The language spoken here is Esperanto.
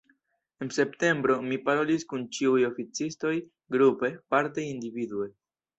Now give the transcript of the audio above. En septembro mi parolis kun ĉiuj oficistoj grupe, parte individue.